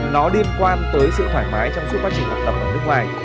nó liên quan tới sự thoải mái trong suốt quá trình học tập ở nước ngoài